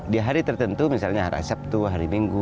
di hari tertentu misalnya hari sabtu hari minggu